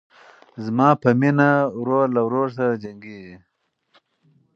زما په مینه ورور له ورور سره جنګیږي